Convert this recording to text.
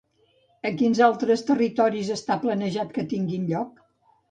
A quins altres territoris està planejat que tinguin lloc?